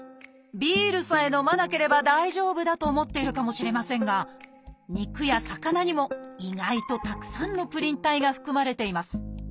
ビールさえ飲まなければ大丈夫だと思っているかもしれませんが肉や魚にも意外とたくさんのプリン体が含まれています。